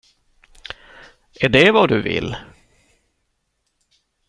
Är det vad du vill?